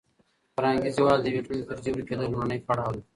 فرهنګي زوال د یوې ټولنې د تدریجي ورکېدو لومړنی پړاو دی.